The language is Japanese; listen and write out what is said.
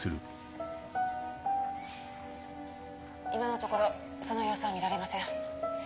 今のところその様子は見られません。